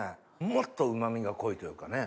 もっとうま味が濃いというかね。